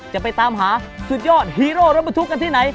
จะไปตามหาสุดยอดฮีโร่รถบรรทุกกันที่ไหน